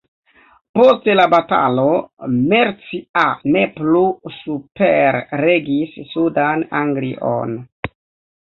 Post la batalo Mercia ne plu superregis sudan Anglion.